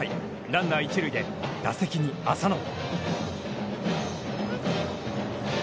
ランナー一塁で、打席に浅野。